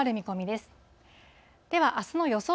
では、あすの予想